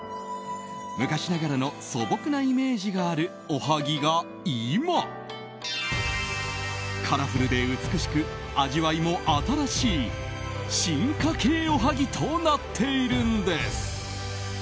昔ながらの素朴なイメージがあるおはぎが今カラフルで美しく味わいも新しい進化形おはぎとなっているんです。